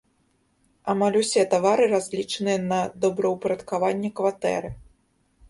Амаль усе тавары разлічаныя на добраўпарадкаванне кватэры.